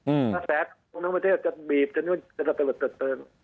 อืมถ้าแสดงตรงทั้งประเทศจะบีบจนกว่าจะเป็นประโยชน์เกิดเติบ